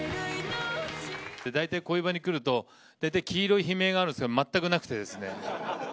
大体こういう場に来ると、大体黄色い悲鳴があるんですけど、全くなくてですね。